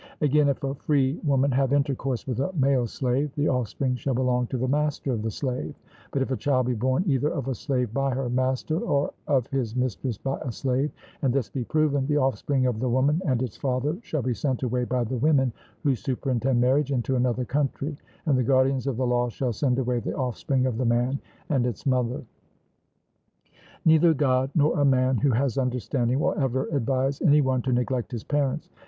Again, if a free woman have intercourse with a male slave, the offspring shall belong to the master of the slave; but if a child be born either of a slave by her master, or of his mistress by a slave and this be proven the offspring of the woman and its father shall be sent away by the women who superintend marriage into another country, and the guardians of the law shall send away the offspring of the man and its mother. Neither God, nor a man who has understanding, will ever advise any one to neglect his parents.